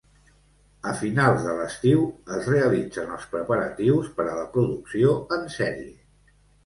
A finals de l'estiu es realitzen els preparatius per a la producció en sèrie.